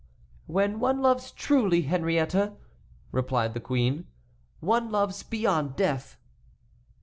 "When one loves truly, Henriette," replied the queen, "one loves beyond death."